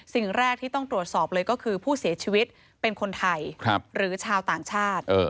สิ่งแรกที่ต้องตรวจสอบเลยก็คือผู้เสียชีวิตเป็นคนไทยหรือชาวต่างชาติ